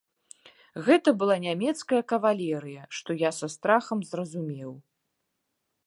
Гэта была нямецкая кавалерыя, што я са страхам зразумеў.